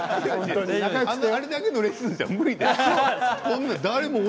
あれだけのレッスンじゃ無理だよ